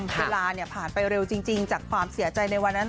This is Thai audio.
เวลาผ่านไปเร็วจริงจากความเสียใจในวันนั้น